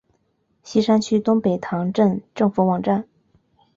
锡山区东北塘镇政府网站